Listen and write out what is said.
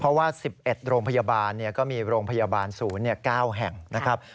เพราะว่า๑๑โรงพยาบาลก็มีโรงพยาบาลศูนย์๙แห่งนะครับ